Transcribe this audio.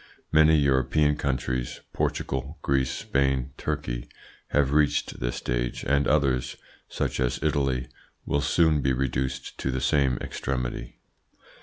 Many European countries Portugal, Greece, Spain, Turkey have reached this stage, and others, such as Italy, will soon be reduced to the same extremity.